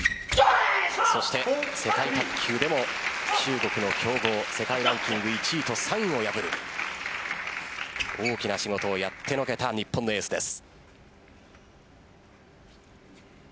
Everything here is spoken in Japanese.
そして、世界卓球でも中国の強豪世界ランキング１位と３位を破る大きな仕事をやってのけた日本のエースです。